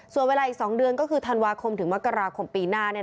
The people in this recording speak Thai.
ส่วนเวลาอีก๒เดือนก็คือธันวาคมถึงมกราคมปีหน้า